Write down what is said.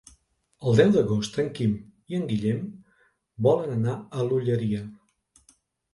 El deu d'agost en Quim i en Guillem volen anar a l'Olleria.